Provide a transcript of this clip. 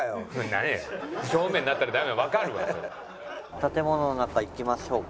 建物の中行きましょうか。